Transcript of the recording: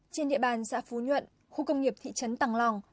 trên địa bàn xã phú nhuận khu công nghiệp thị trấn tàng lòng